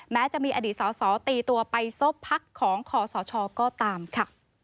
แม้จะมีอดีตสอสอตีตัวไปซบพักของคอสชก็ตามค่ะ